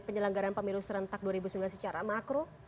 penyelenggaran pemilu serentak dua ribu sembilan belas secara makro